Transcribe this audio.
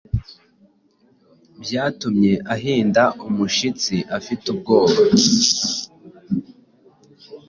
byatumye ahinda umushitsi afite ubwoba.